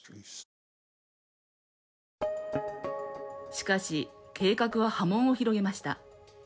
しかし計画は波紋を広げました。